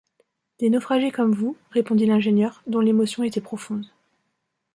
Des naufragés comme vous, répondit l’ingénieur, dont l’émotion était profonde